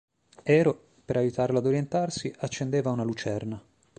Ero, per aiutarlo ad orientarsi, accendeva una lucerna.